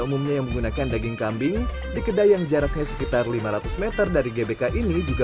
umumnya yang menggunakan daging kambing di kedai yang jaraknya sekitar lima ratus m dari gbk ini juga